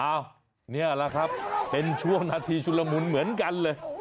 อ้าวเนี่ยแหละครับเป็นชั่วนาทีชุดละมุนเหมือนกันเลย